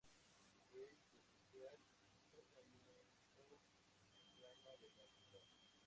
Es esencial un tratamiento temprano de la enfermedad.